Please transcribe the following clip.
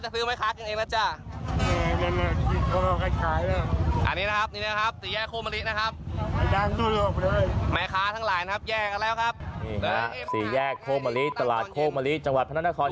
สี่แนวหน้ี้ตลาดโคลมะลิจังหวัดพนันทรคร